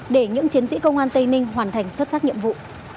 để những chiến sĩ công an tây ninh hoàn thành xuất sắc nhiệm vụ